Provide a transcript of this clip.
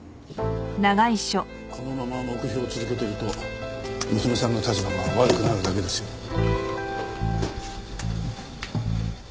このまま黙秘を続けていると娘さんの立場が悪くなるだけですよ。